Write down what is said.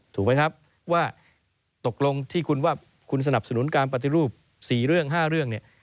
ถูกไหมครับว่าตกลงที่คุณว่าคุณสนับสนุนการปฏิรูป๔เรื่อง๕เรื่องเนี่ย